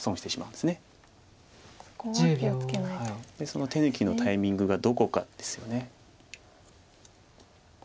ですので手抜きのタイミングがどこかですよね。